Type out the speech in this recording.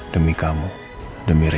demi kamu demi rena